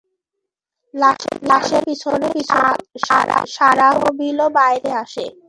লাশের পিছনে পিছনে শারাহবীলও বাইরে আসে।